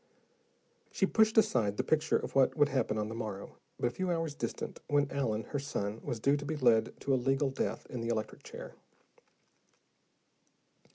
She pushed aside the picture of what would happen on the morrow, but a few hours distant, when Allen, her son, was due to be led to a legal death in the electric chair.